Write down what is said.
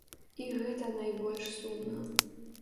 І гэта найбольш сумна.